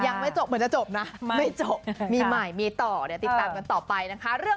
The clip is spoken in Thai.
ยังไม่จบเหมือนจะจบนะไม่จบมีใหม่มีต่อเดี๋ยวติดตามกันต่อไปนะคะ